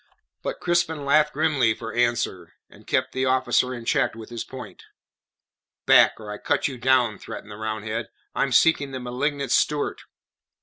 But Crispin laughed grimly for answer, and kept the officer in check with his point. "Back, or I cut you down," threatened the Roundhead. "I am seeking the malignant Stuart."